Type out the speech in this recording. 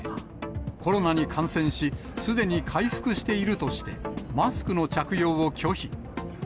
コロナに感染し、すでに回復しているとして、マスクの着用を拒否。